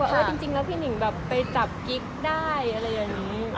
เออจริงแล้วพี่หนิงแบบไปจับกิ๊กได้อะไรอย่างนี้